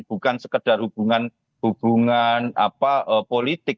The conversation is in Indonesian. bukan sekedar hubungan politik